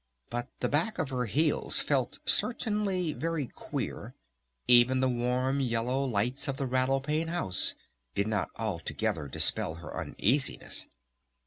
But the back of her heels felt certainly very queer. Even the warm yellow lights of the Rattle Pane House did not altogether dispel her uneasiness.